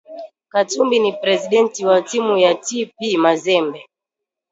Katumbi ni presidenti wa timu ya TP mazembe